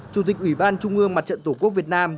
chủ tịch ủy ban trung ương mặt trận tổ quốc việt nam